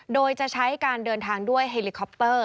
โดยจะใช้การเดินทางด้วยเฮลิคอปเตอร์